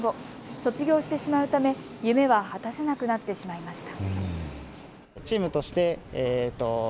卒業してしまうため夢は果たせなくなってしまいました。